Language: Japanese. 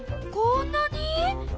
こんなに？